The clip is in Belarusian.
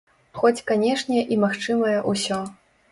Хоць, канешне, і магчымае ўсё.